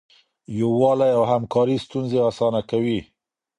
یووالی او همکاري ستونزې اسانه کوي.